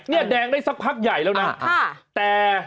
เนี่ยแดงได้สักพักใหญ่แล้วนะ